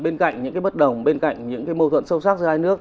bên cạnh những cái bất đồng bên cạnh những cái mâu thuận sâu sắc giữa hai nước